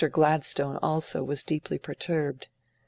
Gladstone also, was deeply perturbed.